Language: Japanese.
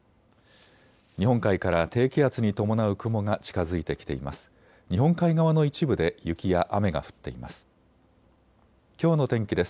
日本海から低気圧に伴う雲が近づいてきています。